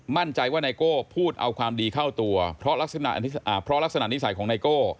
มั่นใจว่าไนโก้พูดเอาความดีเข้าตัวเพราะลักษณะเพราะลักษณะนิสัยของไนโก้